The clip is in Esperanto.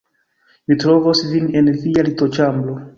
Mi trovos vin en via litoĉambro